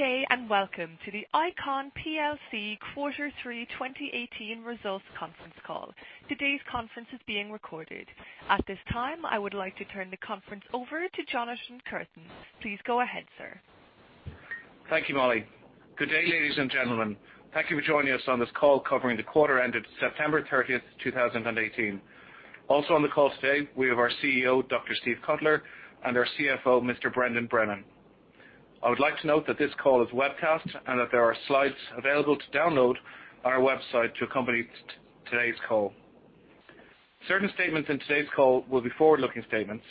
Good day, and welcome to the ICON plc Quarter 3 2018 Results Conference Call. Today's conference is being recorded. At this time, I would like to turn the conference over to Jonathan Curtain. Please go ahead, sir. Thank you, Molly. Good day, ladies and gentlemen. Thank you for joining us on this call covering the quarter ended September 30th, 2018. Also on the call today, we have our CEO, Dr. Steve Cutler, and our CFO, Mr. Brendan Brennan. I would like to note that this call is webcast and that there are slides available to download on our website to accompany today's call. Certain statements in today's call will be forward-looking statements.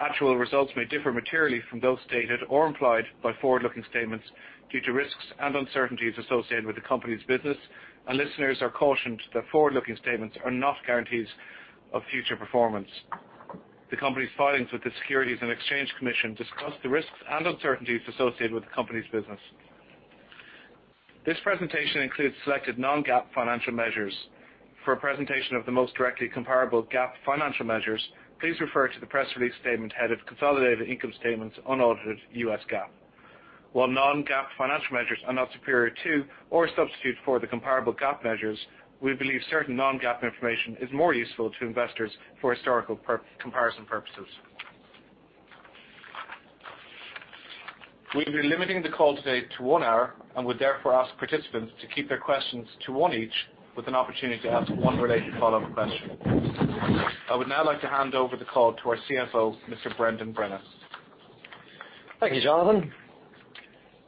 Actual results may differ materially from those stated or implied by forward-looking statements due to risks and uncertainties associated with the company's business, and listeners are cautioned that forward-looking statements are not guarantees of future performance. The company's filings with the Securities and Exchange Commission discuss the risks and uncertainties associated with the company's business. This presentation includes selected non-GAAP financial measures. For a presentation of the most directly comparable GAAP financial measures, please refer to the press release statement headed Consolidated Income Statements Unaudited U.S. GAAP. While non-GAAP financial measures are not superior to or a substitute for the comparable GAAP measures, we believe certain non-GAAP information is more useful to investors for historical comparison purposes. We'll be limiting the call today to one hour and would therefore ask participants to keep their questions to one each with an opportunity to ask one related follow-up question. I would now like to hand over the call to our CFO, Mr. Brendan Brennan. Thank you, Jonathan.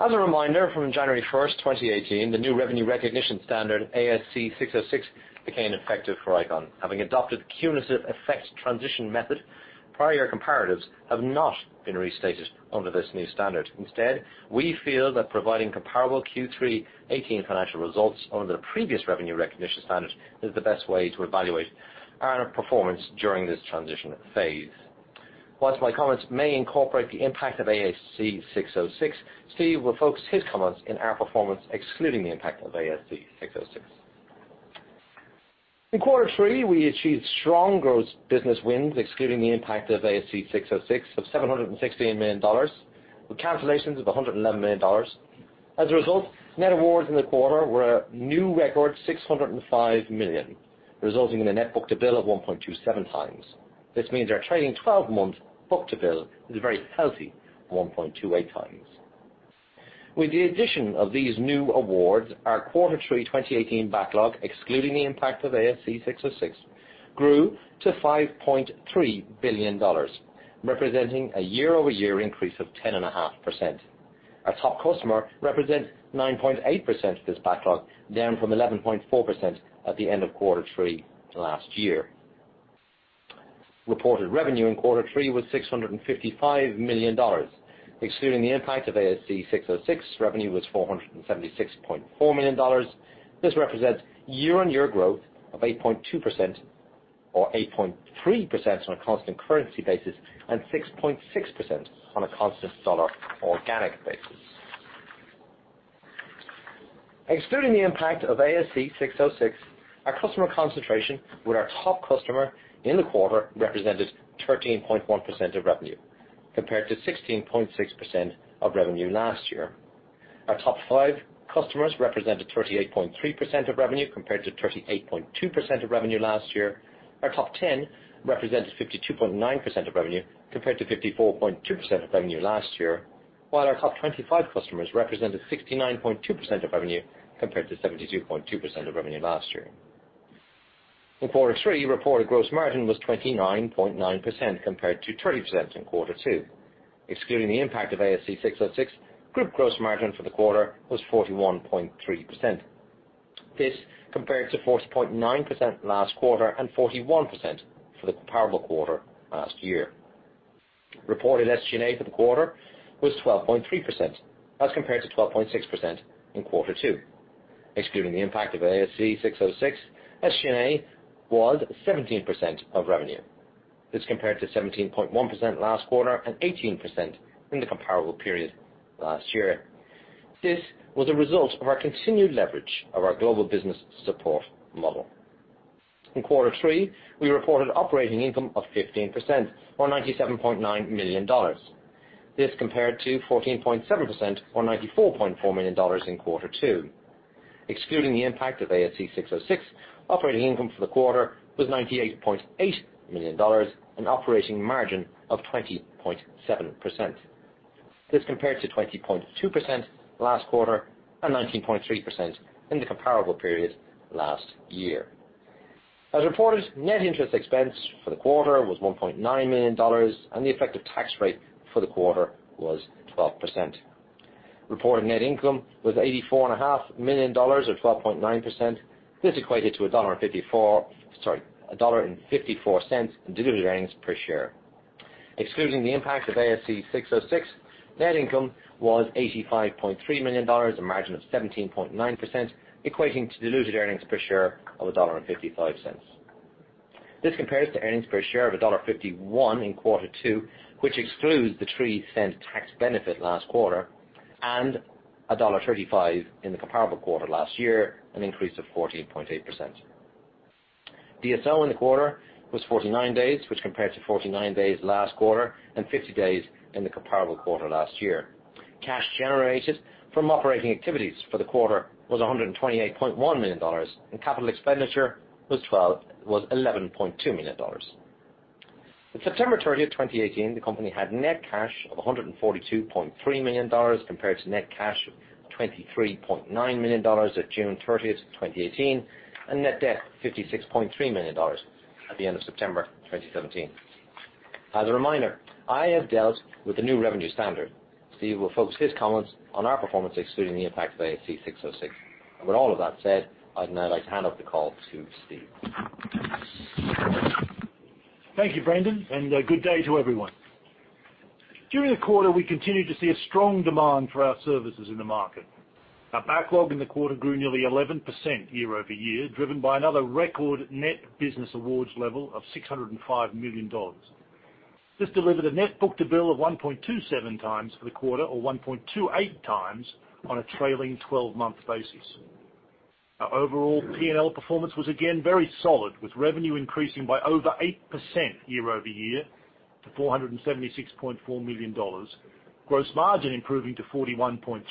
As a reminder, from January 1st, 2018, the new revenue recognition standard, ASC 606, became effective for ICON. Having adopted cumulative effect transition method, prior comparatives have not been restated under this new standard. Instead, we feel that providing comparable Q3 '18 financial results under the previous revenue recognition standard is the best way to evaluate our performance during this transition phase. Whilst my comments may incorporate the impact of ASC 606, Steve will focus his comments on our performance excluding the impact of ASC 606. In quarter three, we achieved strong growth business wins, excluding the impact of ASC 606, of $716 million, with cancellations of $111 million. As a result, net awards in the quarter were a new record $606 million, resulting in a net book-to-bill of 1.27 times. This means our trailing 12-month book-to-bill is a very healthy 1.28 times. With the addition of these new awards, our quarter three 2018 backlog, excluding the impact of ASC 606, grew to $5.3 billion, representing a year-over-year increase of 10.5%. Our top customer represents 9.8% of this backlog, down from 11.4% at the end of quarter three last year. Reported revenue in quarter three was $655 million. Excluding the impact of ASC 606, revenue was $476.4 million. This represents year-on-year growth of 8.2%, or 8.3% on a constant currency basis, and 6.6% on a constant dollar organic basis. Excluding the impact of ASC 606, our customer concentration with our top customer in the quarter represented 13.1% of revenue, compared to 16.6% of revenue last year. Our top five customers represented 38.3% of revenue, compared to 38.2% of revenue last year. Our top 10 represented 52.9% of revenue, compared to 54.2% of revenue last year. Our top 25 customers represented 69.2% of revenue compared to 72.2% of revenue last year. In quarter three, reported gross margin was 29.9% compared to 30% in quarter two. Excluding the impact of ASC 606, group gross margin for the quarter was 41.3%. This compared to 40.9% last quarter and 41% for the comparable quarter last year. Reported SG&A for the quarter was 12.3%, as compared to 12.6% in quarter two. Excluding the impact of ASC 606, SG&A was 17% of revenue. This compared to 17.1% last quarter and 18% in the comparable period last year. This was a result of our continued leverage of our global business support model. In quarter three, we reported operating income of 15%, or $97.9 million. This compared to 14.7%, or $94.4 million in quarter two. Excluding the impact of ASC 606, operating income for the quarter was $98.8 million, an operating margin of 20.7%. This compared to 20.2% last quarter and 19.3% in the comparable period last year. As reported, net interest expense for the quarter was $1.9 million, and the effective tax rate for the quarter was 12%. Reported net income was $84.5 million, or 12.9%. This equated to a $1.54 in diluted earnings per share. Excluding the impact of ASC 606, net income was $85.3 million, a margin of 17.9%, equating to diluted earnings per share of $1.55. This compares to earnings per share of $1.51 in quarter two, which excludes the $0.03 tax benefit last quarter, and $1.35 in the comparable quarter last year, an increase of 14.8%. DSO in the quarter was 49 days, which compared to 49 days last quarter and 50 days in the comparable quarter last year. Cash generated from operating activities for the quarter was $128.1 million. Capital expenditure was $11.2 million. At September 30th, 2018, the company had net cash of $142.3 million compared to net cash of $23.9 million at June 30th, 2018, and net debt $56.3 million at the end of September 2017. As a reminder, I have dealt with the new revenue standard. Steve will focus his comments on our performance excluding the impact of ASC 606. With all of that said, I'd now like to hand off the call to Steve. Thank you, Brendan, and good day to everyone. During the quarter, we continued to see a strong demand for our services in the market. Our backlog in the quarter grew nearly 11% year-over-year, driven by another record net business awards level of $605 million. This delivered a net book-to-bill of 1.27 times for the quarter, or 1.28 times on a trailing 12-month basis. Our overall P&L performance was again very solid, with revenue increasing by over 8% year-over-year to $476.4 million, gross margin improving to 41.3%,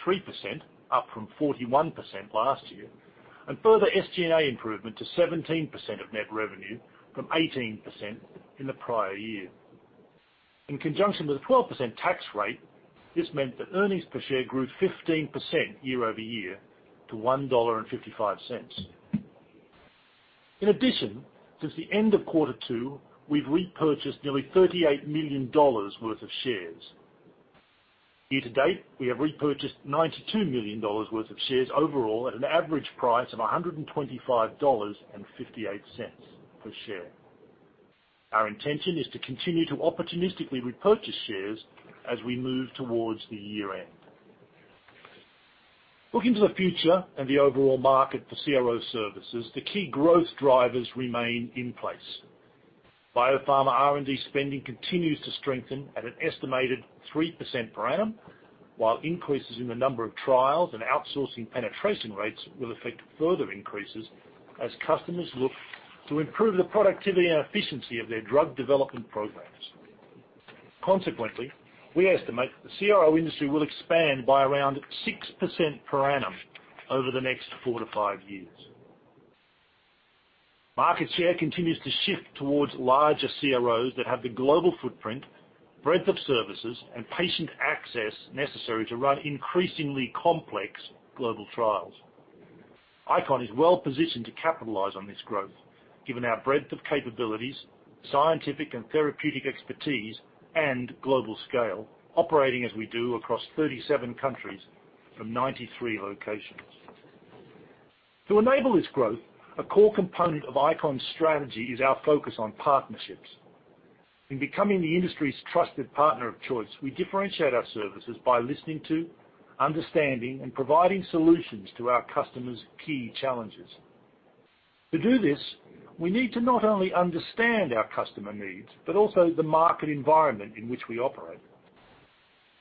up from 41% last year, and further SG&A improvement to 17% of net revenue from 18% in the prior year. In conjunction with a 12% tax rate, this meant that earnings per share grew 15% year-over-year to $1.55. In addition, since the end of quarter two, we've repurchased nearly $38 million worth of shares. Year to date, we have repurchased $92 million worth of shares overall at an average price of $125.58 per share. Our intention is to continue to opportunistically repurchase shares as we move towards the year-end. Looking to the future and the overall market for CRO services, the key growth drivers remain in place. Biopharma R&D spending continues to strengthen at an estimated 3% per annum, while increases in the number of trials and outsourcing penetration rates will affect further increases as customers look to improve the productivity and efficiency of their drug development programs. Consequently, we estimate that the CRO industry will expand by around 6% per annum over the next four to five years. Market share continues to shift towards larger CROs that have the global footprint, breadth of services, and patient access necessary to run increasingly complex global trials. ICON is well-positioned to capitalize on this growth given our breadth of capabilities, scientific and therapeutic expertise, and global scale, operating as we do across 37 countries from 93 locations. To enable this growth, a core component of ICON's strategy is our focus on partnerships. In becoming the industry's trusted partner of choice, we differentiate our services by listening to, understanding, and providing solutions to our customers' key challenges. To do this, we need to not only understand our customer needs, but also the market environment in which we operate.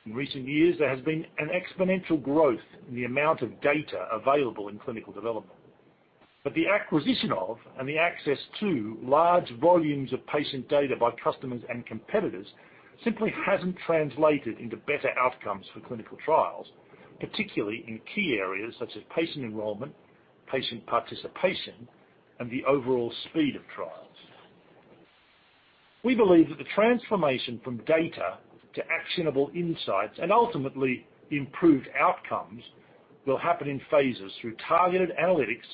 In recent years, there has been an exponential growth in the amount of data available in clinical development. The acquisition of and the access to large volumes of patient data by customers and competitors simply hasn't translated into better outcomes for clinical trials, particularly in key areas such as patient enrollment, patient participation, and the overall speed of trials. We believe that the transformation from data to actionable insights and ultimately improved outcomes will happen in phases through targeted analytics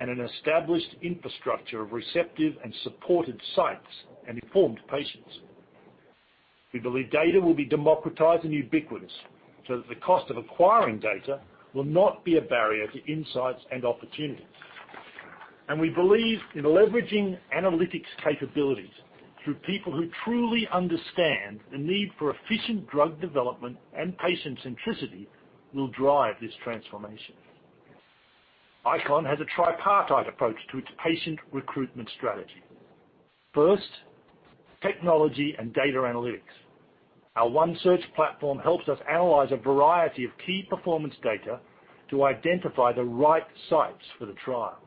and an established infrastructure of receptive and supported sites and informed patients. We believe data will be democratized and ubiquitous so that the cost of acquiring data will not be a barrier to insights and opportunities. We believe in leveraging analytics capabilities through people who truly understand the need for efficient drug development and patient centricity will drive this transformation. ICON has a tripartite approach to its patient recruitment strategy. First, technology and data analytics. Our One Search platform helps us analyze a variety of key performance data to identify the right sites for the trial.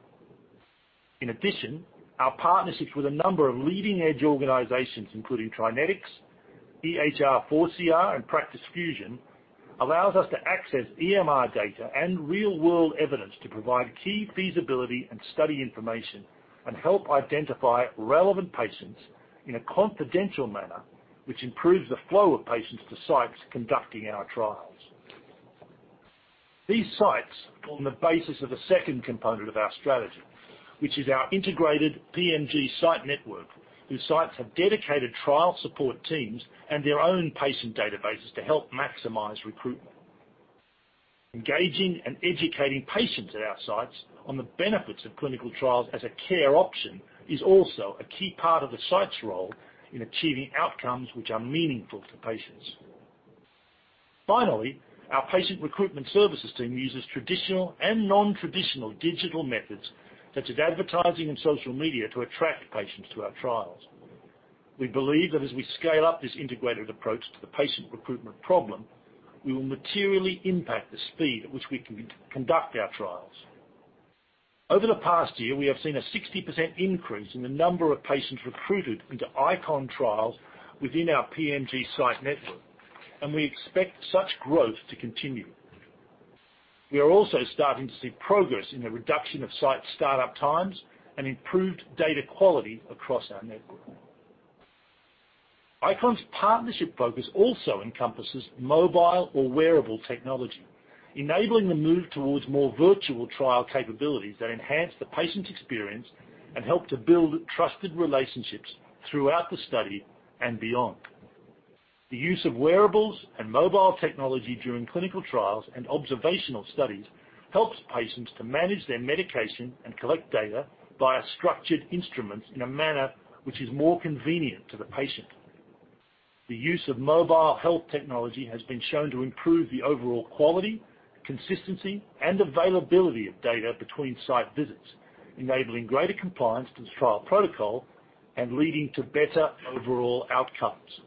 In addition, our partnerships with a number of leading-edge organizations, including TriNetX, EHR4CR and Practice Fusion, allows us to access EMR data and real-world evidence to provide key feasibility and study information and help identify relevant patients in a confidential manner, which improves the flow of patients to sites conducting our trials. These sites, on the basis of a second component of our strategy, which is our integrated PMG site network, whose sites have dedicated trial support teams and their own patient databases to help maximize recruitment. Engaging and educating patients at our sites on the benefits of clinical trials as a care option is also a key part of the site's role in achieving outcomes which are meaningful to patients. Finally, our patient recruitment services team uses traditional and non-traditional digital methods such as advertising and social media to attract patients to our trials. We believe that as we scale up this integrated approach to the patient recruitment problem, we will materially impact the speed at which we can conduct our trials. Over the past year, we have seen a 60% increase in the number of patients recruited into ICON trials within our PMG site network, and we expect such growth to continue. We are also starting to see progress in the reduction of site startup times and improved data quality across our network. ICON's partnership focus also encompasses mobile or wearable technology, enabling the move towards more virtual trial capabilities that enhance the patient experience and help to build trusted relationships throughout the study and beyond. The use of wearables and mobile technology during clinical trials and observational studies helps patients to manage their medication and collect data via structured instruments in a manner which is more convenient to the patient. The use of mobile health technology has been shown to improve the overall quality, consistency, and availability of data between site visits, enabling greater compliance to the trial protocol and leading to better overall outcomes.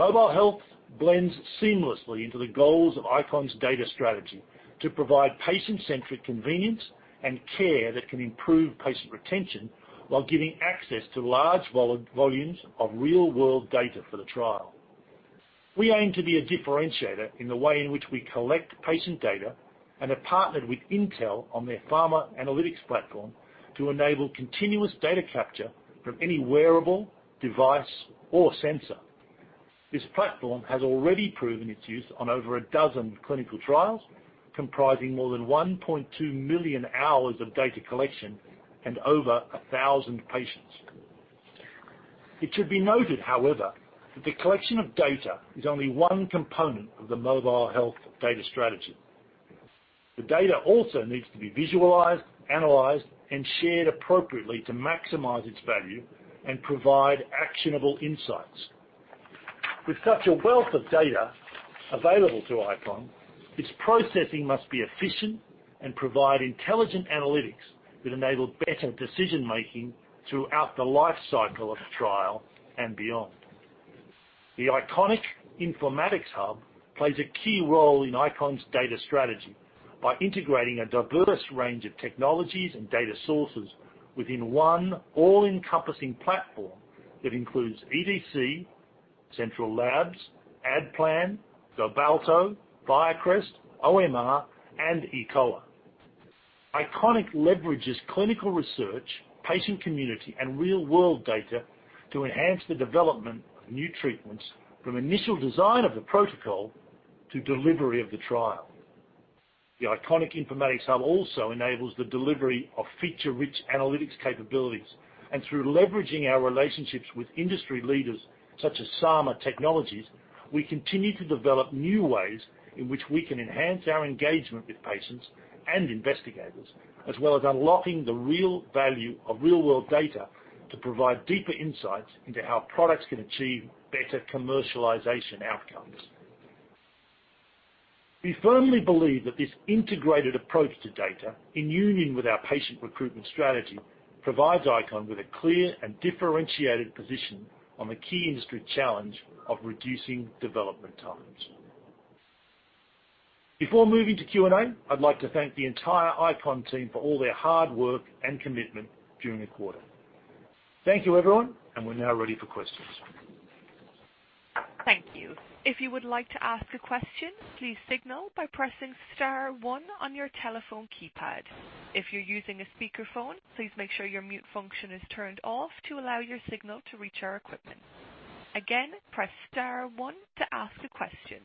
Mobile health blends seamlessly into the goals of ICON's data strategy to provide patient-centric convenience and care that can improve patient retention while giving access to large volumes of real-world data for the trial. We aim to be a differentiator in the way in which we collect patient data and have partnered with Intel on their Intel Pharma Analytics Platform to enable continuous data capture from any wearable, device, or sensor. This platform has already proven its use on over a dozen clinical trials, comprising more than 1.2 million hours of data collection and over 1,000 patients. It should be noted, however, that the collection of data is only one component of the mobile health data strategy. The data also needs to be visualized, analyzed, and shared appropriately to maximize its value and provide actionable insights. With such a wealth of data available to ICON, its processing must be efficient and provide intelligent analytics that enable better decision-making throughout the life cycle of the trial and beyond. The ICONIC Informatics Hub plays a key role in ICON's data strategy by integrating a diverse range of technologies and data sources within one all-encompassing platform that includes EDC, Central Labs, ADDPLAN, Verbalto, FIRECREST, OMR, and eCOA. ICONIC leverages clinical research, patient community, and real-world data to enhance the development of new treatments from initial design of the protocol to delivery of the trial. The ICONIC Informatics Hub also enables the delivery of feature-rich analytics capabilities, and through leveraging our relationships with industry leaders such as Saama Technologies, we continue to develop new ways in which we can enhance our engagement with patients and investigators, as well as unlocking the real value of real-world data to provide deeper insights into how products can achieve better commercialization outcomes. We firmly believe that this integrated approach to data, in union with our patient recruitment strategy, provides ICON with a clear and differentiated position on the key industry challenge of reducing development times. Before moving to Q&A, I'd like to thank the entire ICON team for all their hard work and commitment during the quarter. Thank you, everyone. We're now ready for questions. Thank you. If you would like to ask a question, please signal by pressing star one on your telephone keypad. If you're using a speakerphone, please make sure your mute function is turned off to allow your signal to reach our equipment. Again, press star one to ask a question.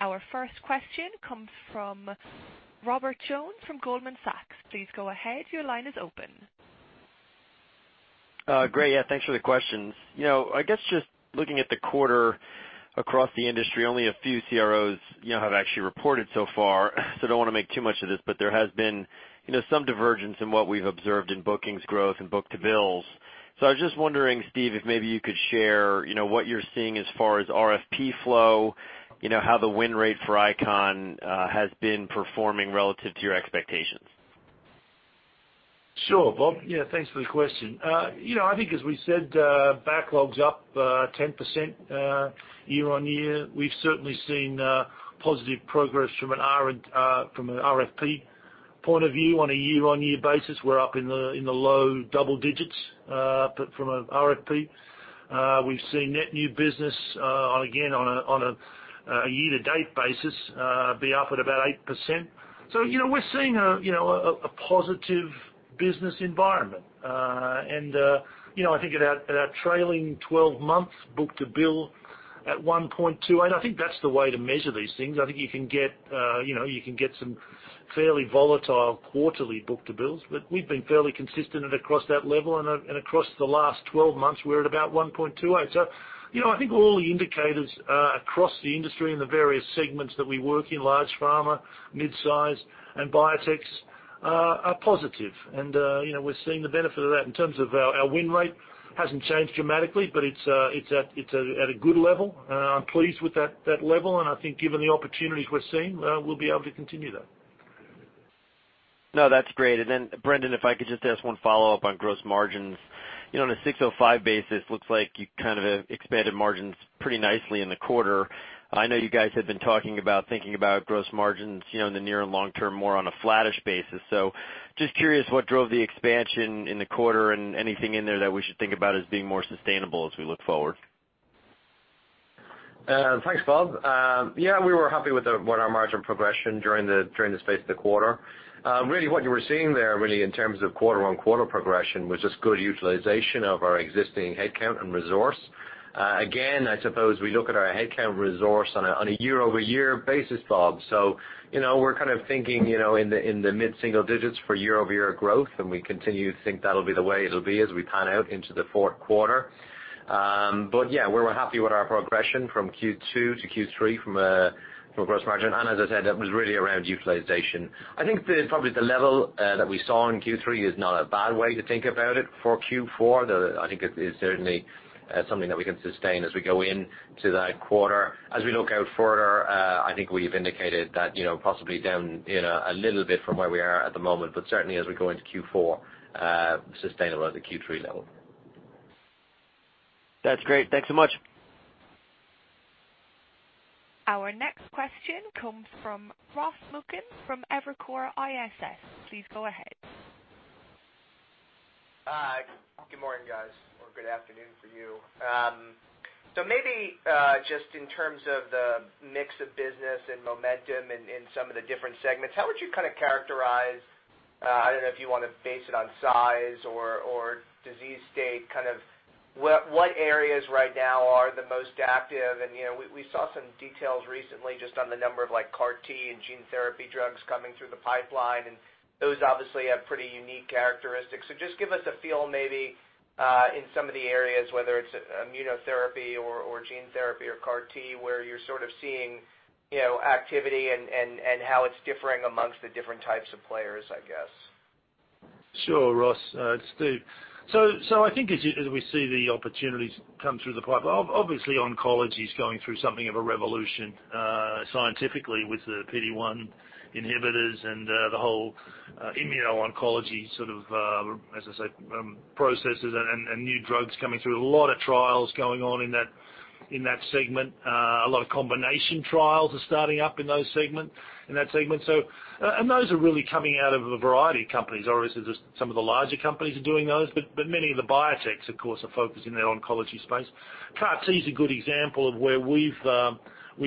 Our first question comes from Robert Jones from Goldman Sachs. Please go ahead. Your line is open. Great. Thanks for the questions. I guess just looking at the quarter across the industry, only a few CROs have actually reported so far, I don't want to make too much of this, but there has been some divergence in what we've observed in bookings growth and book-to-bills. I was just wondering, Steve, if maybe you could share what you're seeing as far as RFP flow, how the win rate for ICON has been performing relative to your expectations. Sure, Bob. Thanks for the question. I think as we said, backlog is up 10% year-over-year. We have certainly seen positive progress from an RFP point of view. On a year-over-year basis, we are up in the low double digits from an RFP. We have seen net new business again on a year-to-date basis be up at about 8%. We are seeing a positive business environment. At our trailing 12 months book-to-bill at 1.2, I think that is the way to measure these things. I think you can get some fairly volatile quarterly book-to-bills, but we have been fairly consistent across that level and across the last 12 months, we are at about 1.28. I think all the indicators across the industry and the various segments that we work in, large pharma, mid-size, and biotechs are positive. We are seeing the benefit of that in terms of our win rate. It has not changed dramatically, but it is at a good level. I am pleased with that level, and I think given the opportunities we are seeing, we will be able to continue that. That is great. Brendan, if I could just ask one follow-up on gross margins. On a 606 basis, it looks like you expanded margins pretty nicely in the quarter. I know you guys had been talking about thinking about gross margins in the near and long term, more on a flattish basis. Just curious what drove the expansion in the quarter and anything in there that we should think about as being more sustainable as we look forward? Thanks, Bob. We were happy with our margin progression during the space of the quarter. What you were seeing there, in terms of quarter-over-quarter progression, was just good utilization of our existing headcount and resource. Again, I suppose we look at our headcount resource on a year-over-year basis, Bob. We are thinking in the mid-single digits for year-over-year growth, and we continue to think that will be the way it will be as we pan out into the fourth quarter. We were happy with our progression from Q2 to Q3 from a gross margin. As I said, that was really around utilization. I think probably the level that we saw in Q3 is not a bad way to think about it for Q4. I think it is certainly something that we can sustain as we go into that quarter. As we look out further, I think we've indicated that possibly down a little bit from where we are at the moment, but certainly as we go into Q4, sustainable at the Q3 level. That's great. Thanks so much. Our next question comes from Ross Muken from Evercore ISI. Please go ahead. Good morning, guys, or good afternoon for you. Maybe, just in terms of the mix of business and momentum in some of the different segments, how would you characterize, I don't know if you want to base it on size or disease state, what areas right now are the most active? We saw some details recently just on the number of CAR T and gene therapy drugs coming through the pipeline, and those obviously have pretty unique characteristics. Just give us a feel maybe, in some of the areas, whether it's immunotherapy or gene therapy or CAR T, where you're sort of seeing activity and how it's differing amongst the different types of players, I guess. Sure, Ross. It's Steve. I think as we see the opportunities come through the pipe, obviously oncology is going through something of a revolution scientifically with the PD-1 inhibitors and the whole immuno-oncology sort of, as I say, processes and new drugs coming through. A lot of trials going on in that segment. A lot of combination trials are starting up in that segment. Those are really coming out of a variety of companies. Obviously, some of the larger companies are doing those, but many of the biotech, of course, are focusing their oncology space. CAR T is a good example of where we've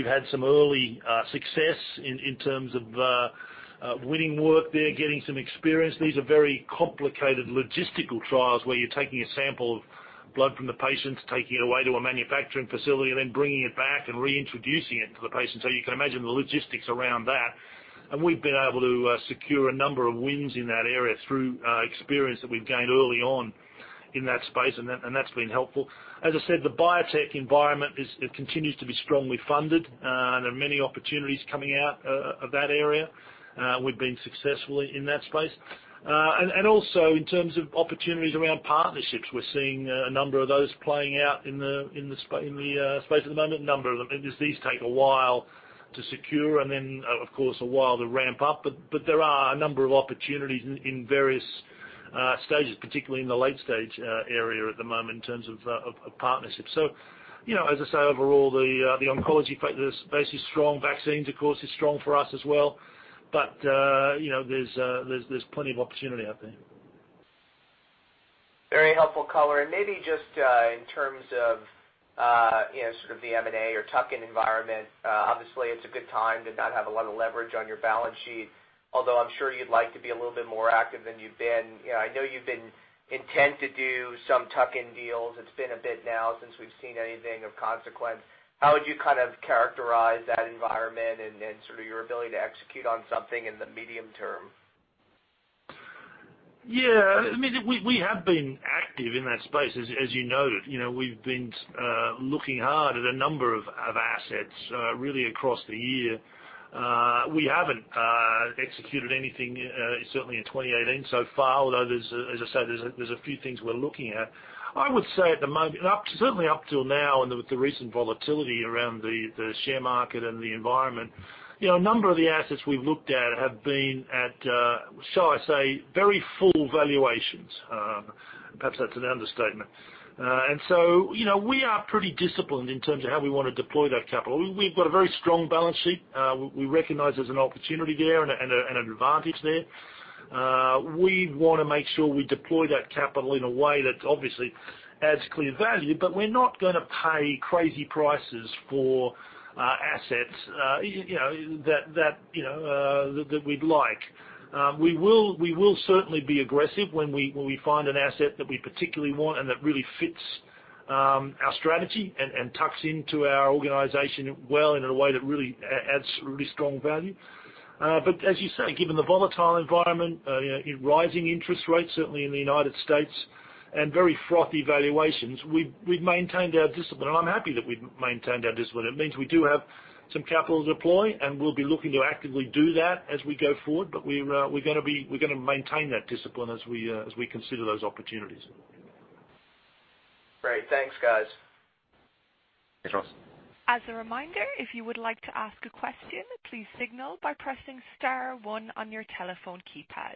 had some early success in terms of winning work there, getting some experience. These are very complicated logistical trials where you're taking a sample of blood from the patients, taking it away to a manufacturing facility, and then bringing it back and reintroducing it to the patient. You can imagine the logistics around that. We've been able to secure a number of wins in that area through experience that we've gained early on in that space, and that's been helpful. As I said, the biotech environment continues to be strongly funded. There are many opportunities coming out of that area. We've been successful in that space. Also in terms of opportunities around partnerships, we're seeing a number of those playing out in the space at the moment, a number of them, as these take a while to secure and then, of course, a while to ramp up. There are a number of opportunities in various stages, particularly in the late-stage area at the moment in terms of partnerships. As I say, overall the oncology space is strong. Vaccines, of course, is strong for us as well. There's plenty of opportunity out there. Very helpful color. Maybe just in terms of sort of the M&A or tuck-in environment. Obviously, it's a good time to not have a lot of leverage on your balance sheet, although I'm sure you'd like to be a little bit more active than you've been. I know you've been intent to do some tuck-in deals. It's been a bit now since we've seen anything of consequence. How would you characterize that environment and then sort of your ability to execute on something in the medium term? Yeah. We have been active in that space, as you noted. We've been looking hard at a number of assets really across the year. We haven't executed anything certainly in 2018 so far, although, as I said, there's a few things we're looking at. I would say at the moment, certainly up till now and with the recent volatility around the share market and the environment, a number of the assets we've looked at have been at, shall I say, very full valuations. Perhaps that's an understatement. We are pretty disciplined in terms of how we want to deploy that capital. We've got a very strong balance sheet. We recognize there's an opportunity there and an advantage there. We want to make sure we deploy that capital in a way that obviously adds clear value, but we're not going to pay crazy prices for assets that we'd like. We will certainly be aggressive when we find an asset that we particularly want and that really fits our strategy and tucks into our organization well in a way that really adds really strong value. As you say, given the volatile environment, rising interest rates certainly in the U.S., and very frothy valuations, we've maintained our discipline, and I'm happy that we've maintained our discipline. It means we do have some capital to deploy, and we'll be looking to actively do that as we go forward. We're going to maintain that discipline as we consider those opportunities. Great. Thanks, guys. Thanks, Ross. As a reminder, if you would like to ask a question, please signal by pressing star one on your telephone keypad.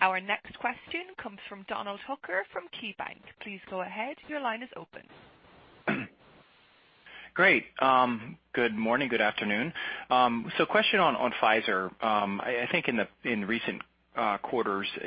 Our next question comes from Donald Hooker from KeyBanc. Please go ahead. Your line is open. Great. Good morning, good afternoon. Question on Pfizer. I think in recent quarters,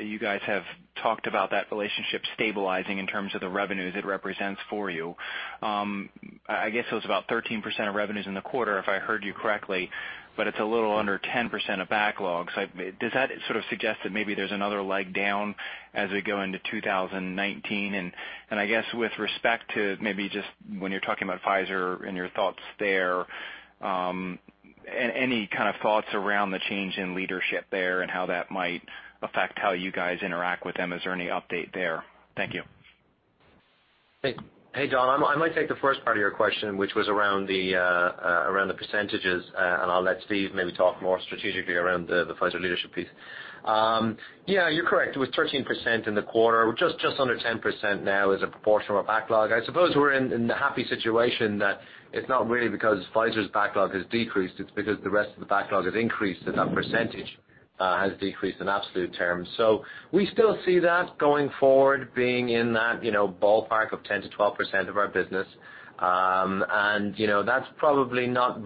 you guys have talked about that relationship stabilizing in terms of the revenues it represents for you. I guess it was about 13% of revenues in the quarter, if I heard you correctly, but it's a little under 10% of backlogs. Does that sort of suggest that maybe there's another leg down as we go into 2019? I guess with respect to maybe just when you're talking about Pfizer and your thoughts there, any kind of thoughts around the change in leadership there and how that might affect how you guys interact with them? Is there any update there? Thank you. Hey, Don. I might take the first part of your question, which was around the percentages, and I'll let Steve maybe talk more strategically around the Pfizer leadership piece. You're correct. It was 13% in the quarter. We're just under 10% now as a proportion of our backlog. I suppose we're in the happy situation that it's not really because Pfizer's backlog has decreased, it's because the rest of the backlog has increased, that that percentage has decreased in absolute terms. We still see that going forward, being in that ballpark of 10% to 12% of our business. That's probably not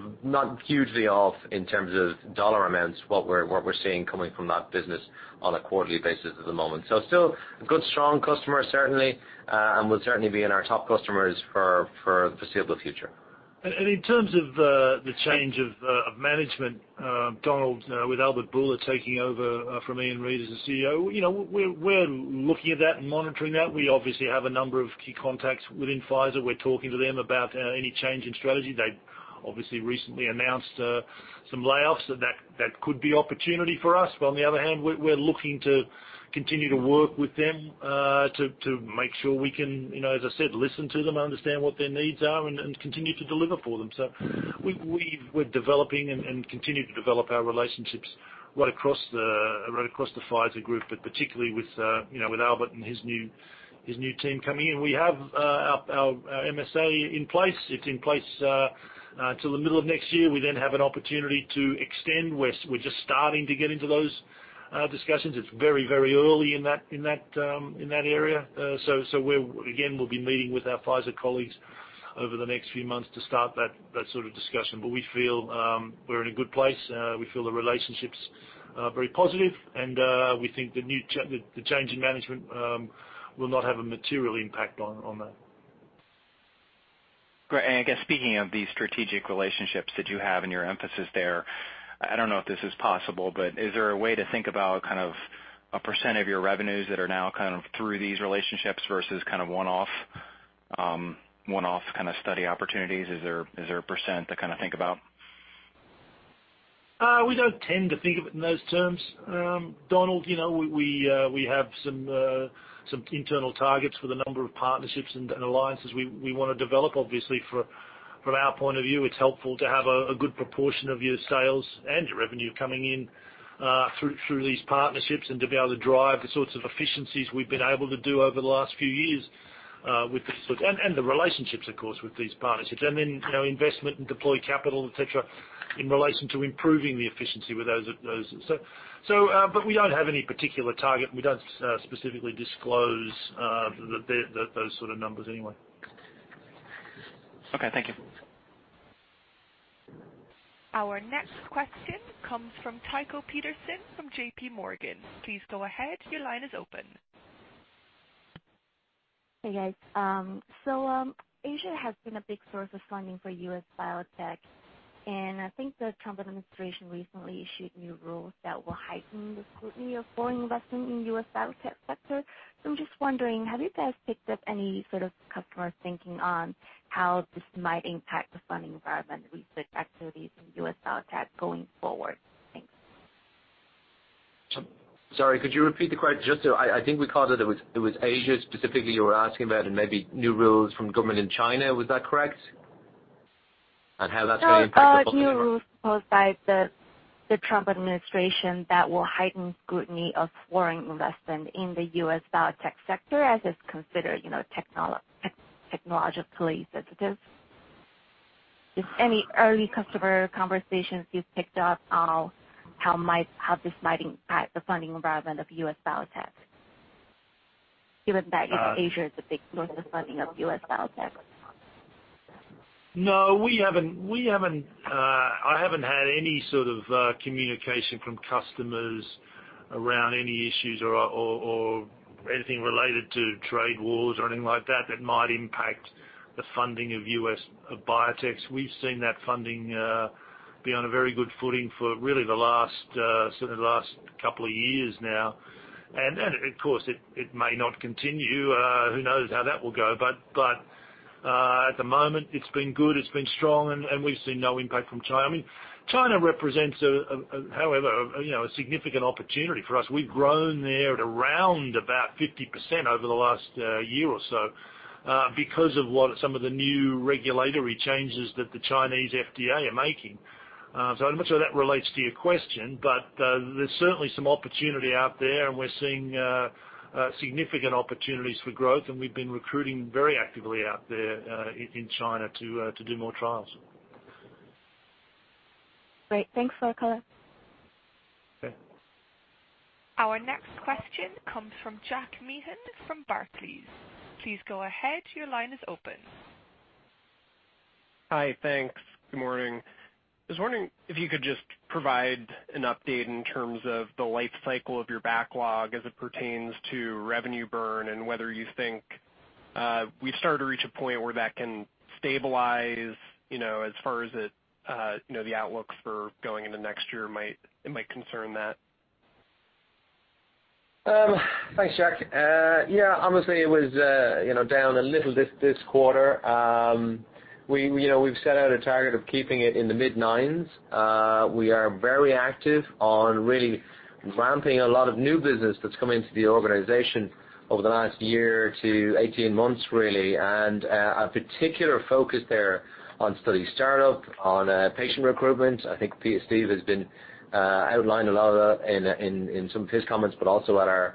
hugely off in terms of dollar amounts, what we're seeing coming from that business on a quarterly basis at the moment. Still a good, strong customer, certainly, and will certainly be in our top customers for the foreseeable future. In terms of the change of management, Donald, with Albert Bourla taking over from Ian Read as the CEO, we're looking at that and monitoring that. We obviously have a number of key contacts within Pfizer. We're talking to them about any change in strategy. They obviously recently announced some layoffs. That could be opportunity for us. On the other hand, we're looking to continue to work with them, to make sure we can, as I said, listen to them, understand what their needs are, and continue to deliver for them. We're developing and continue to develop our relationships right across the Pfizer group, but particularly with Albert and his new team coming in. We have our MSA in place. It's in place till the middle of next year. We have an opportunity to extend. We're just starting to get into those discussions. It's very early in that area. Again, we'll be meeting with our Pfizer colleagues over the next few months to start that sort of discussion. We feel we're in a good place. We feel the relationship's very positive and we think the change in management will not have a material impact on that. Great. I guess speaking of the strategic relationships that you have and your emphasis there, I don't know if this is possible, but is there a way to think about a % of your revenues that are now through these relationships versus one-off study opportunities? Is there a % to think about? We don't tend to think of it in those terms, Donald. We have some internal targets for the number of partnerships and alliances we want to develop. Obviously, from our point of view, it's helpful to have a good proportion of your sales and your revenue coming in through these partnerships and to be able to drive the sorts of efficiencies we've been able to do over the last few years. The relationships, of course, with these partnerships, and then investment and deployed capital, et cetera, in relation to improving the efficiency with those. We don't have any particular target, and we don't specifically disclose those sort of numbers anyway. Okay, thank you. Our next question comes from Tycho Peterson from J.P. Morgan. Please go ahead. Your line is open. Hey, guys. Asia has been a big source of funding for U.S. biotech, and I think the Trump administration recently issued new rules that will heighten the scrutiny of foreign investment in U.S. biotech sector. I'm just wondering, have you guys picked up any sort of customer thinking on how this might impact the funding environment, research activities in U.S. biotech going forward? Thanks. Sorry, could you repeat the question? I think we caught that it was Asia specifically you were asking about and maybe new rules from government in China. Was that correct? How that's going to impact the funding environment. No. New rules proposed by the Trump administration that will heighten scrutiny of foreign investment in the U.S. biotech sector, as it's considered technologically sensitive. Just any early customer conversations you've picked up on how this might impact the funding environment of U.S. biotech, given that Asia is a big source of funding of U.S. biotech. No. I haven't had any sort of communication from customers around any issues or anything related to trade wars or anything like that that might impact the funding of U.S. biotechs. We've seen that funding be on a very good footing for really the last couple of years now. Of course, it may not continue. Who knows how that will go, but at the moment it's been good, it's been strong, and we've seen no impact from China. China represents, however, a significant opportunity for us. We've grown there at around about 50% over the last year or so because of some of the new regulatory changes that the Chinese FDA are making. I'm not sure that relates to your question, but there's certainly some opportunity out there, and we're seeing significant opportunities for growth, and we've been recruiting very actively out there, in China to do more trials. Great. Thanks for the color. Okay. Our next question comes from Jack Meehan from Barclays. Please go ahead. Your line is open. Hi. Thanks. Good morning. I was wondering if you could just provide an update in terms of the life cycle of your backlog as it pertains to revenue burn and whether you think we've started to reach a point where that can stabilize, as far as the outlooks for going into next year, it might concern that. Thanks, Jack. Yeah, honestly, it was down a little this quarter. We've set out a target of keeping it in the mid-nines. We are very active on really ramping a lot of new business that's come into the organization over the last year to 18 months, really, and a particular focus there on study startup, on patient recruitment. I think Steve has been outlining a lot of that in some of his comments, but also at our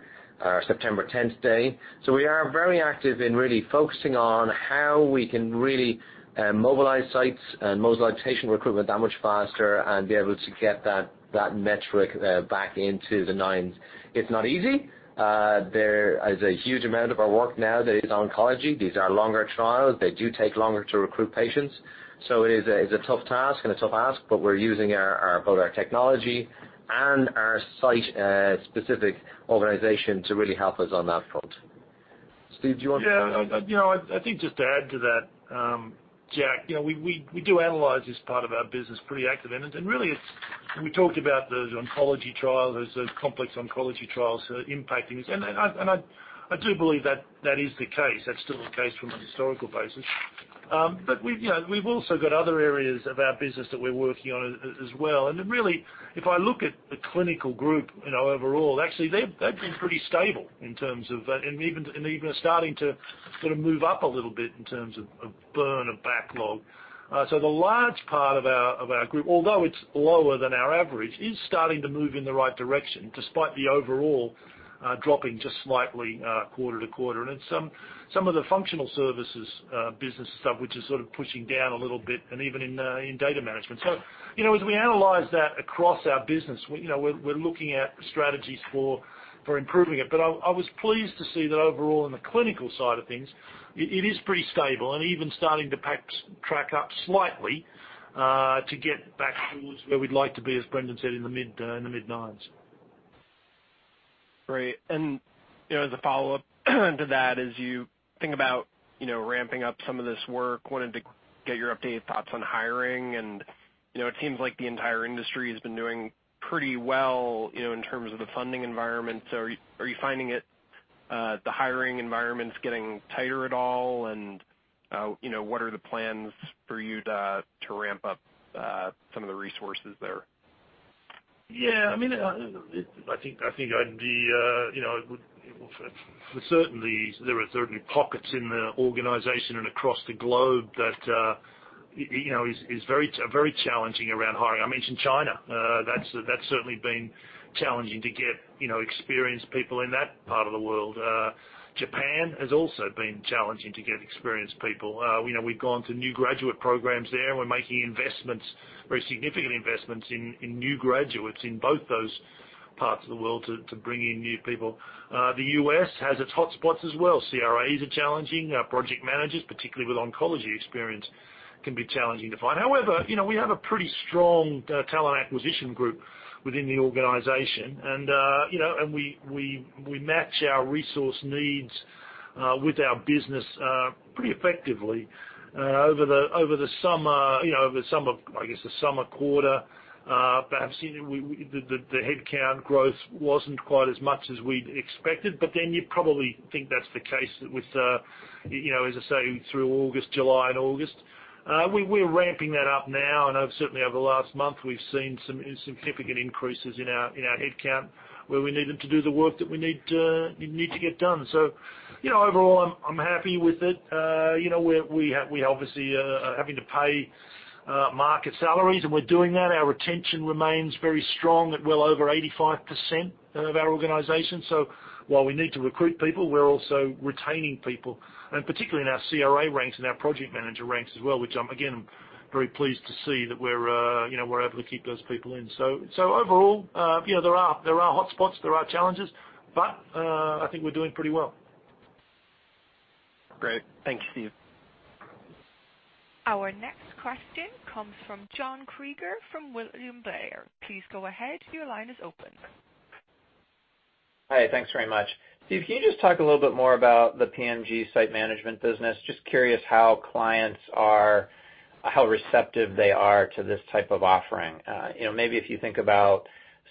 September 10th day. We are very active in really focusing on how we can really mobilize sites and mobilize patient recruitment that much faster and be able to get that metric back into the nines. It's not easy. There is a huge amount of our work now that is oncology. These are longer trials. They do take longer to recruit patients. It is a tough task and a tough ask, but we're using both our technology and our site-specific organization to really help us on that front. Steve, do you want to- Yeah. I think just to add to that, Jack, we do analyze this part of our business pretty actively. Really, we talked about those oncology trials, those complex oncology trials impacting us. I do believe that is the case. That's still the case from a historical basis. We've also got other areas of our business that we're working on as well. Really, if I look at the clinical group overall, actually, they've been pretty stable and even are starting to sort of move up a little bit in terms of burn of backlog. The large part of our group, although it's lower than our average, is starting to move in the right direction, despite the overall dropping just slightly quarter-to-quarter. Some of the functional services business stuff, which is sort of pushing down a little bit and even in data management. As we analyze that across our business, we're looking at strategies for improving it. I was pleased to see that overall in the clinical side of things, it is pretty stable and even starting to perhaps track up slightly, to get back towards where we'd like to be, as Brendan said, in the mid-nines. Great. As a follow-up to that, as you think about ramping up some of this work, wanted to get your updated thoughts on hiring and it seems like the entire industry has been doing pretty well in terms of the funding environment. Are you finding the hiring environment's getting tighter at all? What are the plans for you to ramp up some of the resources there? Yeah. I think there are certainly pockets in the organization and across the globe that is very challenging around hiring. I mentioned China. That's certainly been challenging to get experienced people in that part of the world. Japan has also been challenging to get experienced people. We've gone to new graduate programs there. We're making investments, very significant investments in new graduates in both those parts of the world to bring in new people. The U.S. has its hotspots as well. CRAs are challenging. Our project managers, particularly with oncology experience, can be challenging to find. However, we have a pretty strong talent acquisition group within the organization, we match our resource needs with our business pretty effectively. Over the summer, I guess the summer quarter, perhaps the headcount growth wasn't quite as much as we'd expected, you probably think that's the case with, as I say, through August, July and August. We're ramping that up now, certainly over the last month, we've seen some significant increases in our headcount where we need them to do the work that we need to get done. Overall, I'm happy with it. We obviously are having to pay market salaries, we're doing that. Our retention remains very strong at well over 85% of our organization. While we need to recruit people, we're also retaining people, particularly in our CRA ranks and our project manager ranks as well, which I'm, again, very pleased to see that we're able to keep those people in. Overall, there are hotspots, there are challenges, I think we're doing pretty well. Great. Thank you, Steve. Our next question comes from John Krieger from William Blair. Please go ahead. Your line is open. Hi. Thanks very much. Steve, can you just talk a little bit more about the PMG site management business? Just curious how clients are, how receptive they are to this type of offering. Maybe if you think about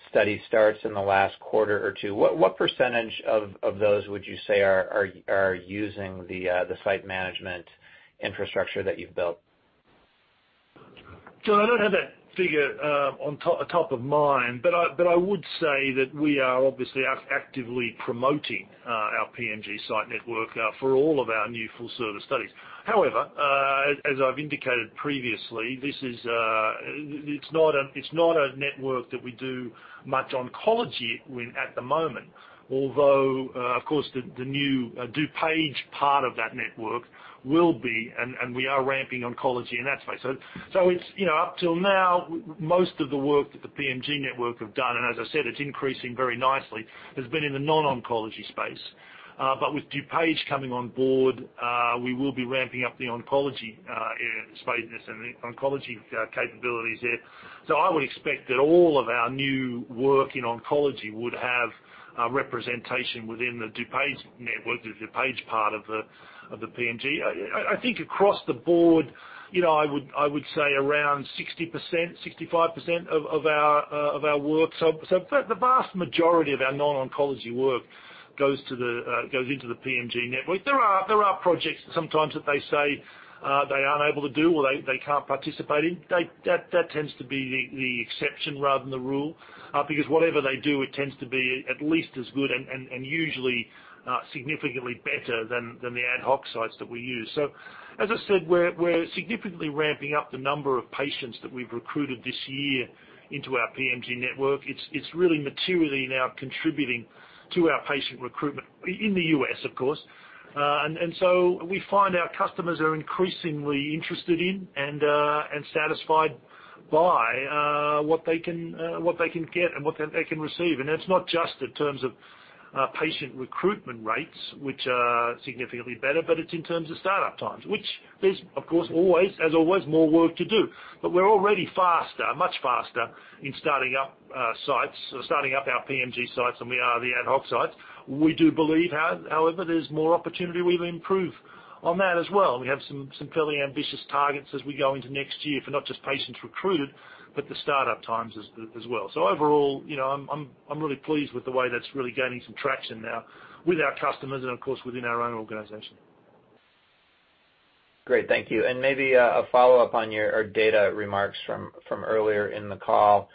study starts in the last quarter or two, what % of those would you say are using the site management infrastructure that you've built? John, I don't have that figure on top of mind. I would say that we are obviously actively promoting our PMG site network for all of our new full-service studies. However, as I've indicated previously, it's not a network that we do much oncology with at the moment. Although, of course, the new DuPage part of that network will be, and we are ramping oncology in that space. Up till now, most of the work that the PMG network have done, and as I said, it's increasing very nicely, has been in the non-oncology space. With DuPage coming on board, we will be ramping up the oncology area space and the oncology capabilities there. I would expect that all of our new work in oncology would have representation within the DuPage network, the DuPage part of the PMG. I think across the board, I would say around 60%-65% of our work. The vast majority of our non-oncology work goes into the PMG network. There are projects sometimes that they say they aren't able to do or they can't participate in. That tends to be the exception rather than the rule. Because whatever they do, it tends to be at least as good and usually significantly better than the ad hoc sites that we use. As I said, we're significantly ramping up the number of patients that we've recruited this year into our PMG network. It's really materially now contributing to our patient recruitment in the U.S., of course. We find our customers are increasingly interested in and satisfied by what they can get and what they can receive. It's not just in terms of patient recruitment rates, which are significantly better, but it's in terms of startup times. Which there's, of course, as always, more work to do. We're already faster, much faster, in starting up sites or starting up our PMG sites than we are the ad hoc sites. We do believe, however, there's more opportunity we'll improve on that as well. We have some fairly ambitious targets as we go into next year for not just patients recruited, but the startup times as well. Overall, I'm really pleased with the way that's really gaining some traction now with our customers and, of course, within our own organization. Great. Thank you. Maybe a follow-up on your data remarks from earlier in the call.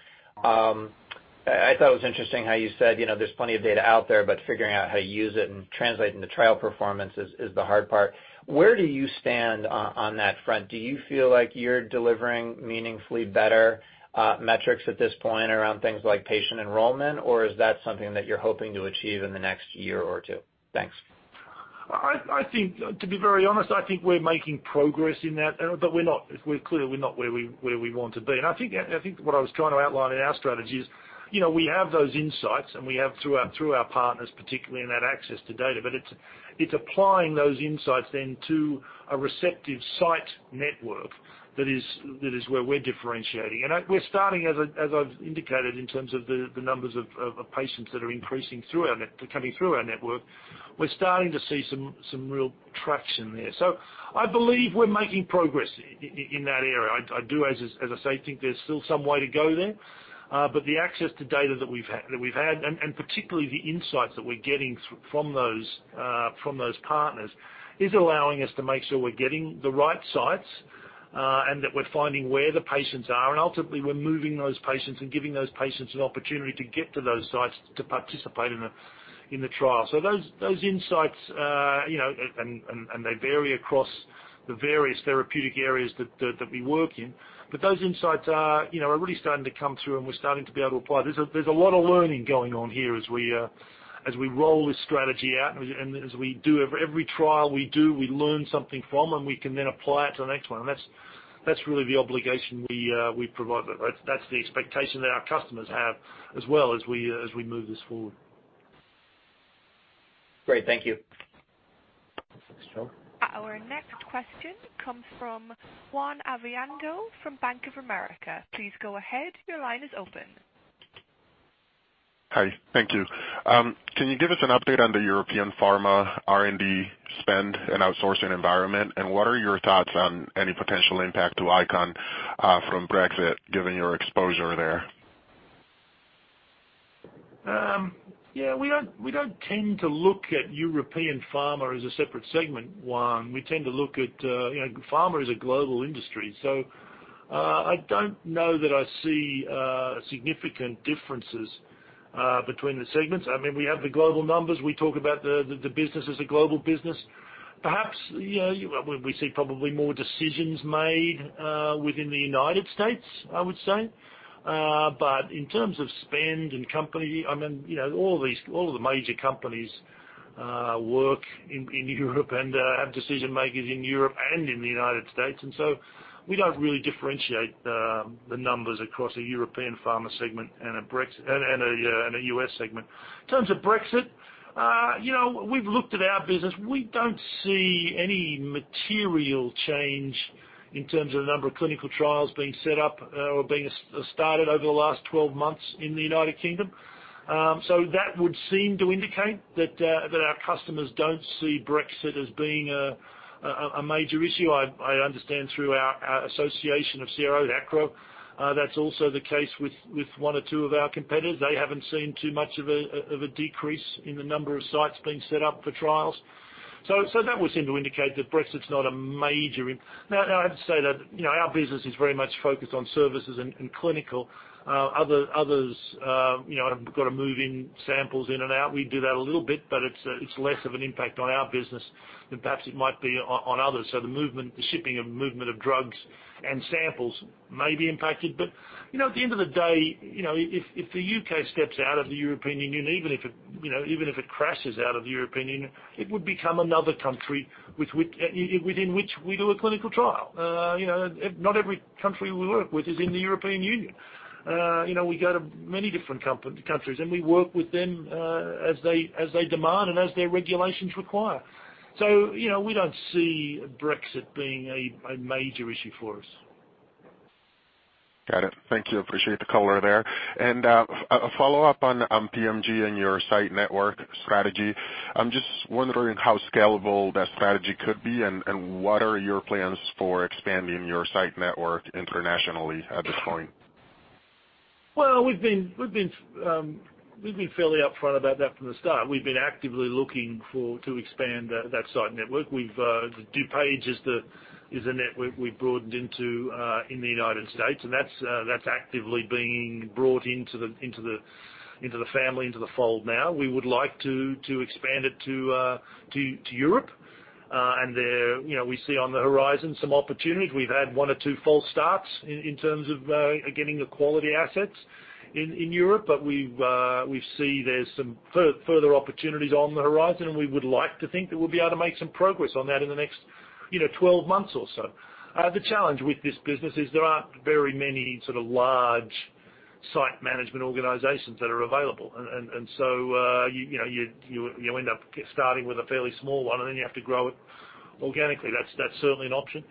I thought it was interesting how you said, there's plenty of data out there, but figuring out how to use it and translate into trial performance is the hard part. Where do you stand on that front? Do you feel like you're delivering meaningfully better metrics at this point around things like patient enrollment, or is that something that you're hoping to achieve in the next year or two? Thanks. To be very honest, I think we're making progress in that, but we're clearly not where we want to be. I think what I was trying to outline in our strategy is, we have those insights, and we have through our partners, particularly in that access to data. It's applying those insights then to a receptive site network that is where we're differentiating. We're starting, as I've indicated, in terms of the numbers of patients that are coming through our network, we're starting to see some real traction there. I believe we're making progress in that area. I do, as I say, think there's still some way to go there. The access to data that we've had, and particularly the insights that we're getting from those partners, is allowing us to make sure we're getting the right sites, and that we're finding where the patients are. Ultimately, we're moving those patients and giving those patients an opportunity to get to those sites to participate in the trial. Those insights, and they vary across the various therapeutic areas that we work in, but those insights are really starting to come through, and we're starting to be able to apply. There's a lot of learning going on here as we roll this strategy out and as every trial we do, we learn something from, and we can then apply it to the next one. That's really the obligation we provide. That's the expectation that our customers have as well as we move this forward. Great. Thank you. Thanks, John. Our next question comes from Juan Avendano from Bank of America. Please go ahead. Your line is open. Hi. Thank you. Can you give us an update on the European pharma R&D spend and outsourcing environment, and what are your thoughts on any potential impact to ICON from Brexit given your exposure there? Yeah. We don't tend to look at European pharma as a separate segment, Juan. We tend to look at pharma as a global industry. I don't know that I see significant differences between the segments. We have the global numbers. We talk about the business as a global business. Perhaps, we see probably more decisions made within the United States, I would say. In terms of spend and company, all of the major companies work in Europe and have decision makers in Europe and in the United States. We don't really differentiate the numbers across a European pharma segment and a U.S. segment. In terms of Brexit, we've looked at our business. We don't see any material change in terms of the number of clinical trials being set up or being started over the last 12 months in the United Kingdom. That would seem to indicate that our customers don't see Brexit as being a major issue. I understand through our association of CRO, ACRO, that's also the case with one or two of our competitors. They haven't seen too much of a decrease in the number of sites being set up for trials. That would seem to indicate that Brexit's not a major issue. Now, I'd say that our business is very much focused on services and clinical. Others have got to move in samples in and out. We do that a little bit, but it's less of an impact on our business than perhaps it might be on others. The shipping and movement of drugs and samples may be impacted. At the end of the day, if the U.K. steps out of the European Union, even if it crashes out of the European Union, it would become another country within which we do a clinical trial. Not every country we work with is in the European Union. We go to many different countries, and we work with them as they demand and as their regulations require. We don't see Brexit being a major issue for us. Got it. Thank you. Appreciate the color there. A follow-up on PMG and your site network strategy. I'm just wondering how scalable that strategy could be and what are your plans for expanding your site network internationally at this point? Well, we've been fairly upfront about that from the start. We've DuPage as the network we've broadened into in the U.S., and that's actively being brought into the family, into the fold now. We would like to expand it to Europe. There, we see on the horizon some opportunities. We've had one or two false starts in terms of getting the quality assets in Europe, but we see there's some further opportunities on the horizon, and we would like to think that we'll be able to make some progress on that in the next 12 months or so. The challenge with this business is there aren't very many sort of large site management organizations that are available. So you end up starting with a fairly small one, and then you have to grow it organically. That's certainly an option.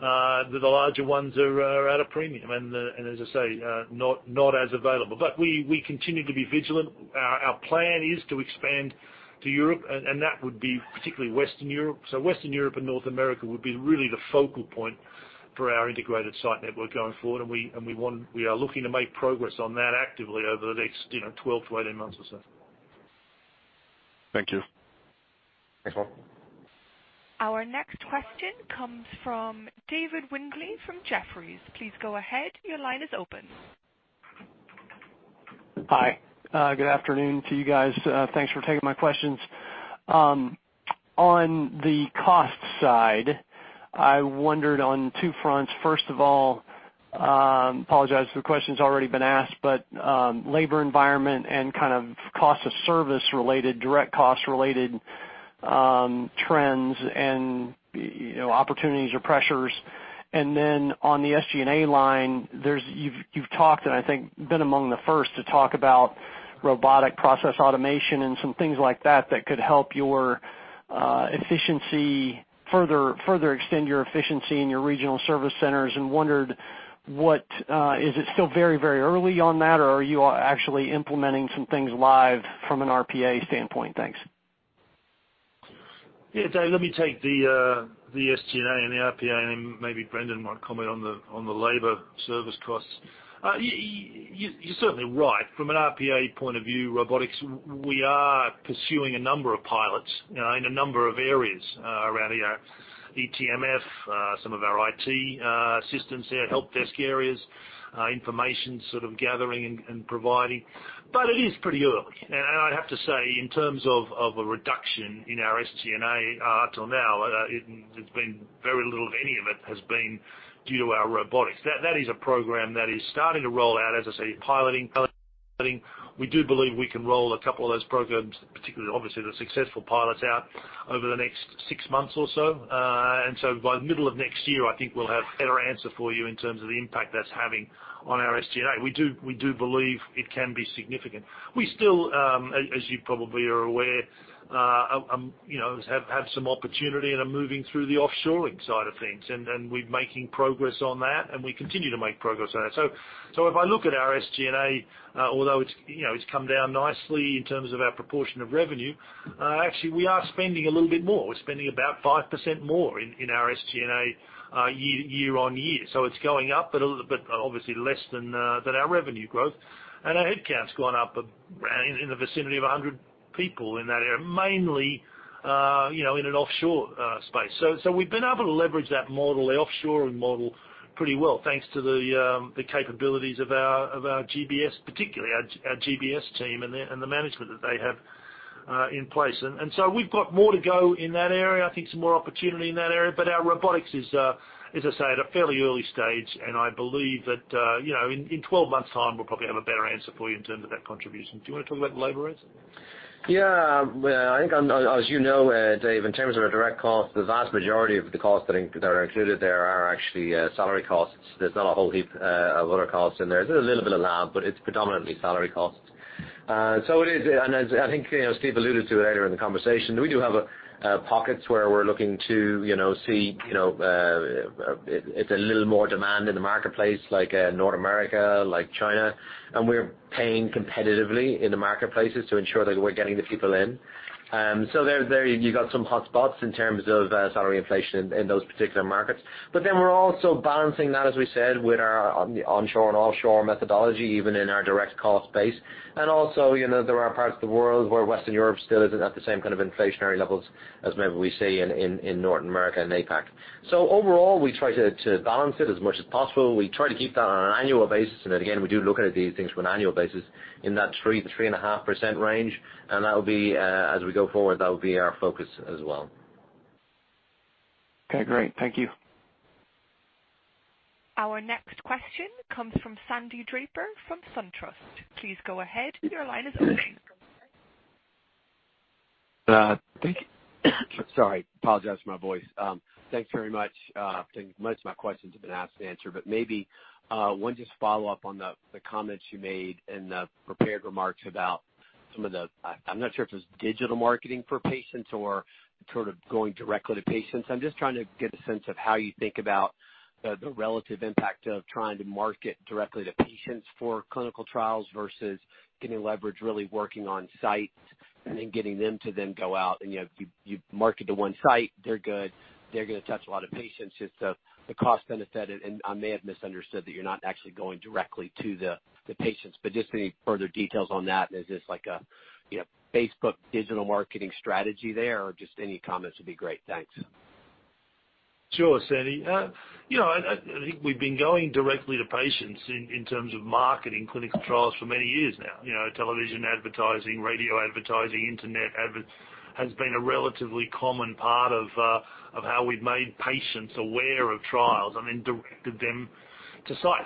The larger ones are at a premium, and as I say, not as available. We continue to be vigilant. Our plan is to expand to Europe, and that would be particularly Western Europe. Western Europe and North America would be really the focal point for our integrated site network going forward, and we are looking to make progress on that actively over the next 12 to 18 months or so. Thank you. Thanks, Juan. Our next question comes from David Windley from Jefferies. Please go ahead. Your line is open. Hi. Good afternoon to you guys. Thanks for taking my questions. On the cost side, I wondered on two fronts. First of all, apologize if the question's already been asked, labor environment and kind of cost of service related, direct cost related trends and opportunities or pressures. On the SG&A line, you've talked, and I think been among the first to talk about robotic process automation and some things like that that could help your efficiency further extend your efficiency in your regional service centers and wondered is it still very early on that, or are you actually implementing some things live from an RPA standpoint? Thanks. Yeah, Dave, let me take the SG&A and the RPA, and maybe Brendan might comment on the labor service costs. You're certainly right. From an RPA point of view, robotics, we are pursuing a number of pilots in a number of areas around our eTMF, some of our IT systems, our help desk areas, information sort of gathering and providing. It is pretty early. I have to say, in terms of a reduction in our SG&A up till now, it's been very little to any of it has been due to our robotics. That is a program that is starting to roll out, as I say, piloting. We do believe we can roll a couple of those programs, particularly obviously the successful pilots out over the next six months or so. By the middle of next year, I think we will have a better answer for you in terms of the impact that is having on our SG&A. We do believe it can be significant. We still, as you probably are aware, have had some opportunity and are moving through the offshoring side of things, and we are making progress on that, and we continue to make progress on that. If I look at our SG&A, although it has come down nicely in terms of our proportion of revenue, actually we are spending a little bit more. We are spending about 5% more in our SG&A year-on-year. It is going up, but obviously less than our revenue growth. Our headcount has gone up around in the vicinity of 100 people in that area, mainly in an offshore space. We have been able to leverage that model, the offshoring model, pretty well thanks to the capabilities of our GBS, particularly our GBS team and the management that they have in place. We have got more to go in that area. I think some more opportunity in that area. Our robotics is, as I say, at a fairly early stage, and I believe that in 12 months' time, we will probably have a better answer for you in terms of that contribution. Do you want to talk about the labor rates? I think as you know, Dave, in terms of our direct costs, the vast majority of the costs that are included there are actually salary costs. There is not a whole heap of other costs in there. There is a little bit of lab, but it is predominantly salary costs. As I think Steve alluded to earlier in the conversation, we do have pockets where we are looking to see it is a little more demand in the marketplace, like North America, like China, and we are paying competitively in the marketplaces to ensure that we are getting the people in. There you got some hotspots in terms of salary inflation in those particular markets. We are also balancing that, as we said, with our onshore and offshore methodology, even in our direct cost base. Also, there are parts of the world where Western Europe still is not at the same kind of inflationary levels as maybe we see in North America and APAC. Overall, we try to balance it as much as possible. We try to keep that on an annual basis. Again, we do look at these things from an annual basis in that 3%-3.5% range. As we go forward, that will be our focus as well. Okay, great. Thank you. Our next question comes from Sandy Draper from SunTrust. Please go ahead. Your line is open. Thank you. Sorry, apologize for my voice. Thanks very much. I think most of my questions have been asked and answered, but maybe one just follow-up on the comments you made in the prepared remarks about some of the, I'm not sure if it was digital marketing for patients or sort of going directly to patients. I'm just trying to get a sense of how you think about the relative impact of trying to market directly to patients for clinical trials versus getting leverage, really working on sites and then getting them to then go out. You market to one site, they're good, they're going to touch a lot of patients. Just the cost benefit? I may have misunderstood that you're not actually going directly to the patients, but just any further details on that. Is this like a Facebook digital marketing strategy there or just any comments would be great. Thanks. Sure, Sandy. I think we've been going directly to patients in terms of marketing clinical trials for many years now. Television advertising, radio advertising, internet advert has been a relatively common part of how we've made patients aware of trials and then directed them to site.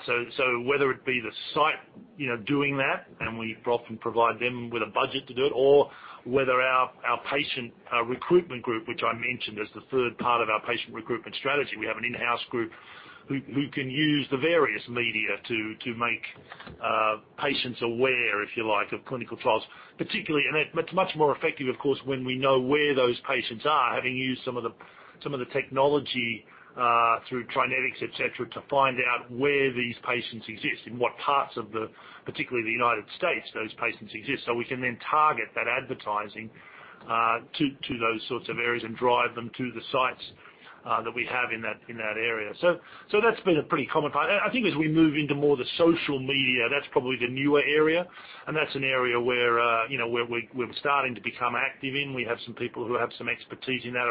Whether it be the site doing that, and we often provide them with a budget to do it, or whether our patient recruitment group, which I mentioned as the third part of our patient recruitment strategy. We have an in-house group who can use the various media to make patients aware, if you like, of clinical trials, particularly, and it's much more effective, of course, when we know where those patients are, having used some of the technology through TriNetX, et cetera, to find out where these patients exist, in what parts of the, particularly the U.S., those patients exist. We can then target that advertising to those sorts of areas and drive them to the sites that we have in that area. That's been a pretty common find. I think as we move into more the social media, that's probably the newer area, and that's an area where we're starting to become active in. We have some people who have some expertise in that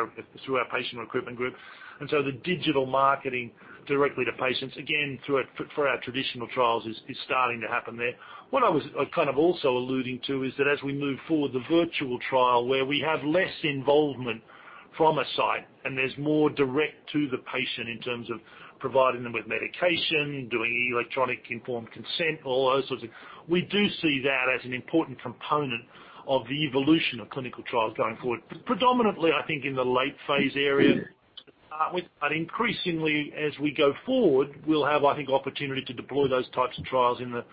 through our patient recruitment group. The digital marketing directly to patients, again, for our traditional trials, is starting to happen there. What I was kind of also alluding to is that as we move forward, the virtual trial, where we have less involvement from a site and there's more direct to the patient in terms of providing them with medication, doing electronic informed consent. We do see that as an important component of the evolution of clinical trials going forward. Predominantly, I think in the late phase area to start with. Increasingly, as we go forward, we'll have, I think, opportunity to deploy those types of trials. There'll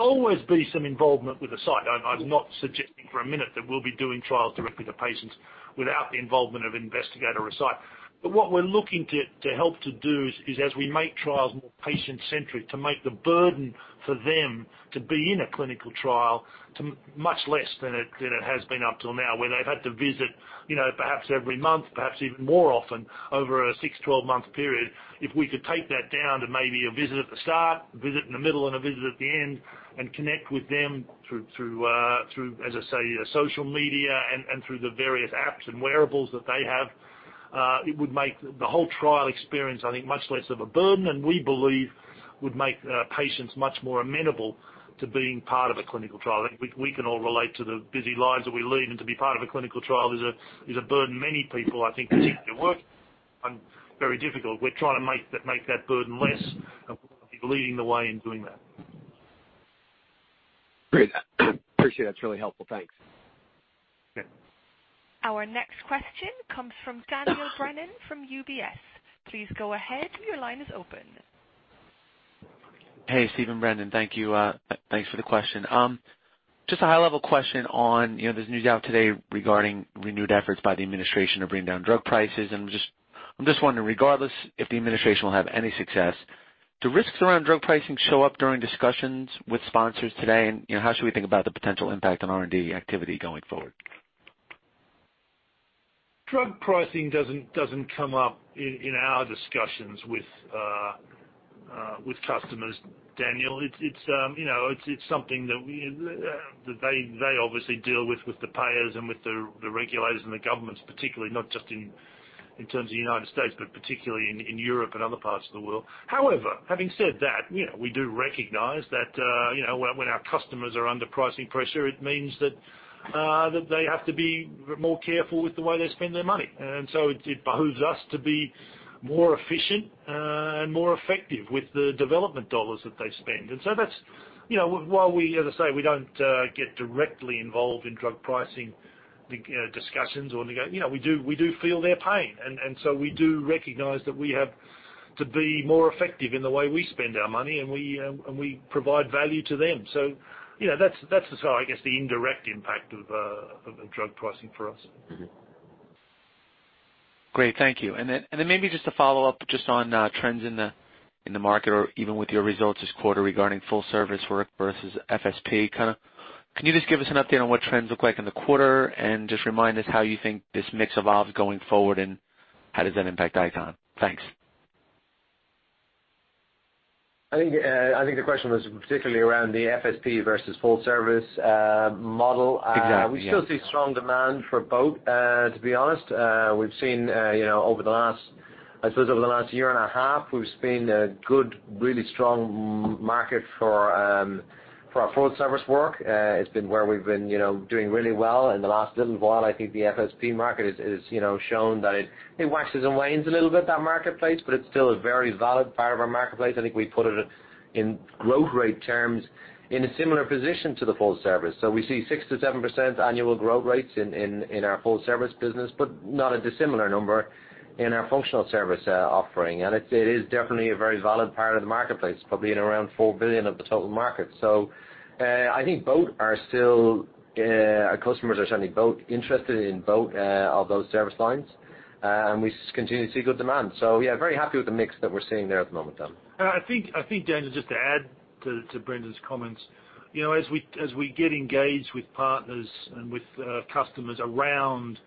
always be some involvement with the site. I'm not suggesting for a minute that we'll be doing trials directly to patients without the involvement of investigator or site. What we're looking to help to do is, as we make trials more patient-centric, to make the burden for them to be in a clinical trial much less than it has been up till now, where they've had to visit perhaps every month, perhaps even more often over a 6- to 12-month period. If we could take that down to maybe a visit at the start, a visit in the middle, and a visit at the end, and connect with them through, as I say, social media and through the various apps and wearables that they have, it would make the whole trial experience, I think, much less of a burden, and we believe would make patients much more amenable to being part of a clinical trial. I think we can all relate to the busy lives that we lead. To be part of a clinical trial is a burden many people, I think, particularly working from home, find very difficult. We're trying to make that burden less. We want to be leading the way in doing that. Great. Appreciate it. That's really helpful. Thanks. Yeah. Our next question comes from Daniel Brennan from UBS. Please go ahead. Your line is open. Hey, Steve and Brendan. Thank you. Thanks for the question. Just a high-level question on, there's news out today regarding renewed efforts by the administration to bring down drug prices. I'm just wondering, regardless if the administration will have any success, do risks around drug pricing show up during discussions with sponsors today? How should we think about the potential impact on R&D activity going forward? Drug pricing doesn't come up in our discussions with customers, Daniel. It's something that they obviously deal with the payers and with the regulators and the governments particularly, not just in terms of the U.S., but particularly in Europe and other parts of the world. However, having said that, we do recognize that when our customers are under pricing pressure, it means that they have to be more careful with the way they spend their money. It behooves us to be more efficient and more effective with the development dollars that they spend. That's why we, as I say, we don't get directly involved in drug pricing discussions or negotiate. We do feel their pain, and so we do recognize that we have to be more effective in the way we spend our money, and we provide value to them. That's, I guess, the indirect impact of drug pricing for us. Great. Thank you. Maybe just to follow up just on trends in the market or even with your results this quarter regarding full service work versus FSP. Can you just give us an update on what trends look like in the quarter and just remind us how you think this mix evolves going forward and how does that impact ICON? Thanks. I think the question was particularly around the FSP versus full service model. Exactly, yeah. We still see strong demand for both, to be honest. We've seen over the last I suppose over the last year and a half, we've seen a good, really strong market for our full service work. It's been where we've been doing really well. In the last little while, I think the FSP market has shown that it waxes and wanes a little bit, that marketplace, but it's still a very valid part of our marketplace. I think we put it in growth rate terms in a similar position to the full service. We see 6%-7% annual growth rates in our full service business, but not a dissimilar number in our functional service offering. It is definitely a very valid part of the marketplace, probably at around $4 billion of the total market. I think our customers are certainly interested in both of those service lines, and we continue to see good demand. Yeah, very happy with the mix that we're seeing there at the moment, though. I think, Daniel, just to add to Brendan's comments, as we get engaged with partners and with customers around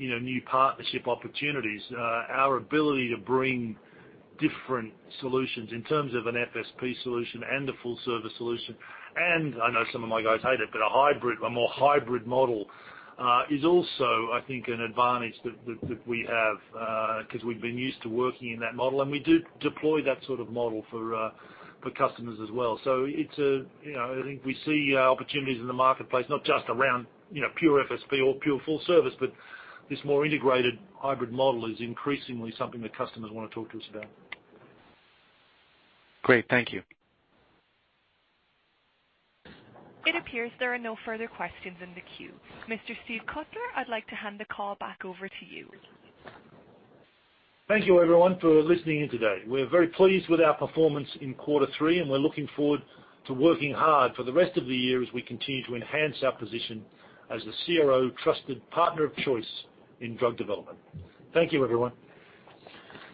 new partnership opportunities, our ability to bring different solutions in terms of an FSP solution and a full service solution, and I know some of my guys hate it, but a more hybrid model, is also, I think, an advantage that we have because we've been used to working in that model. We do deploy that sort of model for customers as well. I think we see opportunities in the marketplace, not just around pure FSP or pure full service, but this more integrated hybrid model is increasingly something that customers want to talk to us about. Great. Thank you. It appears there are no further questions in the queue. Mr. Steve Cutler, I'd like to hand the call back over to you. Thank you, everyone, for listening in today. We're very pleased with our performance in quarter three. We're looking forward to working hard for the rest of the year as we continue to enhance our position as the CRO trusted partner of choice in drug development. Thank you, everyone.